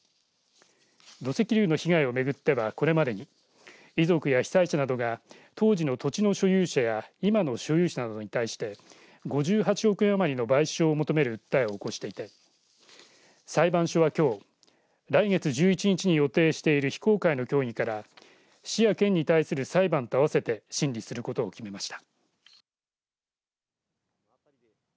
土石流の被害を巡ってはこれまでに遺族や被災者などが当時の土地の所有者や今の所有者などに対して５８億円余りの賠償を求める訴えを起こしていて裁判所は、きょう来月１１日に予定している非公開の協議から市や県に対する裁判と合わせて審理することを決めました。